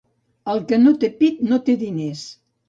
El que no té pit, no té diners.